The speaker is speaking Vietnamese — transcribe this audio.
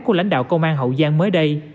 của lãnh đạo công an hậu giang mới đây